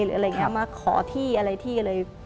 หรืออะไรอย่างนี้มาขอที่อะไรที่อะไร